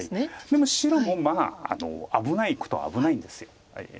でも白も危ないことは危ないんです。